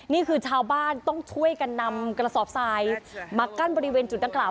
นี่คือชาวบ้านต้องช่วยกันนำกระสอบทรายมากั้นบริเวณจุดดังกล่า